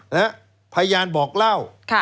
และพยานบอกเล่า